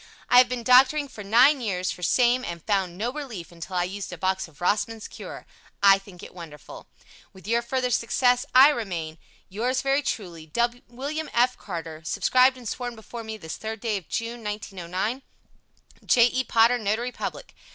I have been doctoring for nine years for same and found no relief until I used a box of Rossman's Cure. I think it wonderful. Wishing you further success, I remain, Yours very truly, WM. F. CARTER. Subscribed and sworn before me this 3rd day of June, 1909 J. E. POTTER, Notary Public.